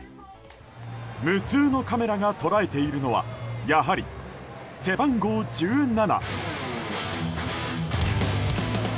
無数のカメラが捉えているのはやはり背番号１７。